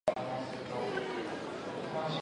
危ない遊びはしない